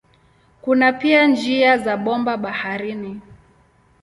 Kuna pia njia za bomba baharini.